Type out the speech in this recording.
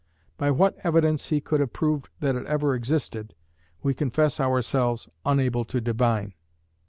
By what evidence he could have proved that it ever existed, we confess ourselves unable to divine.